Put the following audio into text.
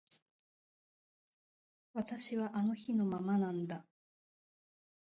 私はあの日のままなんだ